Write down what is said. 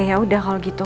yaudah kalau gitu